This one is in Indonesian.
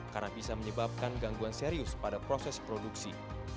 karena bisa menyebabkan gangguan serius pada proses produksi